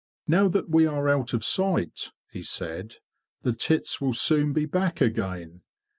"* Now that we are out of sight,'' he said, '' the tits will soon be back again.